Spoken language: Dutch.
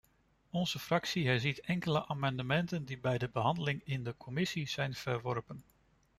Onze fractie herziet enkele amendementen die bij de behandeling in de commissie zijn verworpen.